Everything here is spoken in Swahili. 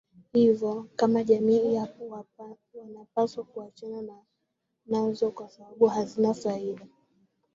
Hivyo kama jamii wanapaswa kuachana nazo kwa sababu hazina faida